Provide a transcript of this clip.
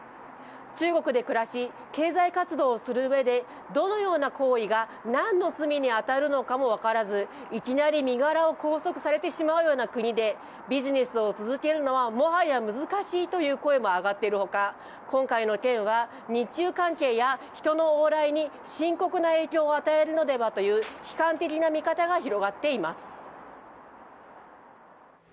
中国で暮らし、経済活動をするうえでどのような行為が何の罪に当たるのかも分からずいきなり身柄を拘束されてしまうような国でビジネスを続けるのは、もはや難しいという声も上がっているほか、今回の件は、日中関係や人の往来に深刻な影響を与えるのではという悲観的な見方が広がっています。